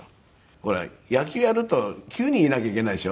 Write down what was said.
ほら野球やると９人いなきゃいけないでしょ。